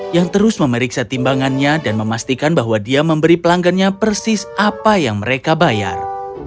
yang terus memeriksa timbangannya dan memastikan bahwa dia memberi pelanggannya persis apa yang mereka bayar